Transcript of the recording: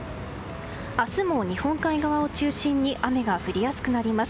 明日も日本海側を中心に雨が降りやすくなります。